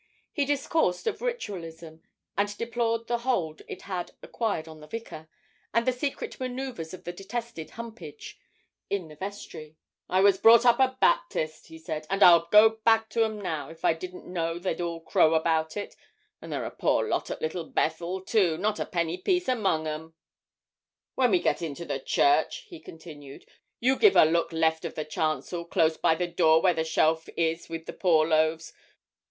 He discoursed of Ritualism, and deplored the hold it had acquired on the vicar, and the secret manoeuvres of the detested Humpage in the vestry. 'I was brought up a Baptist,' he said, 'and I'd go back to 'em now, if I didn't know how they'd all crow about it; and they're a poor lot at Little Bethel, too, not a penny piece among 'em.' 'When we get into the church,' he continued, 'you give a look left of the chancel, close by the door where the shelf is with the poor loaves.